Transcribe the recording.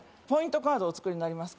カードお作りになりますか？